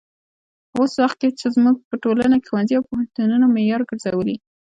اوس وخت کې چې زموږ په ټولنه کې ښوونځي او پوهنتونونه معیار ګرځولي.